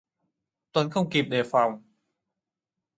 Tuấn không kịp đề phòng